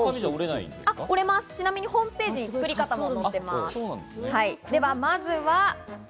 ちなみにホームページにも作り方が載っています。